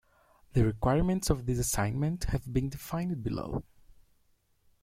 The requirements of this assignment have been defined below.